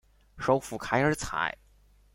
首府凯尔采。